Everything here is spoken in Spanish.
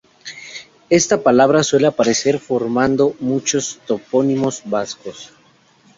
Esta palabra suele aparecer formando muchos topónimos vascos.